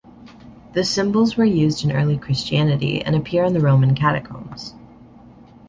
The symbols were used in early Christianity and appear in the Roman catacombs.